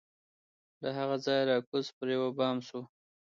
له هغه ځایه را کوز پر یوه بام سو